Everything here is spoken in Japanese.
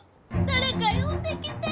誰か呼んできて。